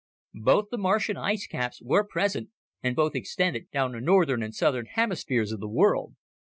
Both the Martian ice caps were present and both extended down the northern and southern hemispheres of the world.